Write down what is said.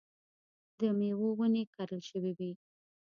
د مېوو ونې کرل شوې وې.